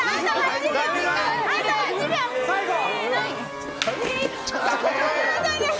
最後！